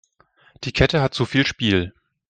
Die Kette hat zu viel Spiel.